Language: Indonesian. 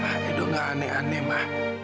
ma edo nggak aneh aneh ma